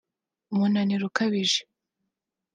umunaniro ukabije